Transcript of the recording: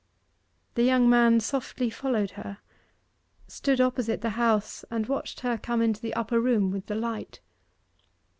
The young man softly followed her, stood opposite the house and watched her come into the upper room with the light.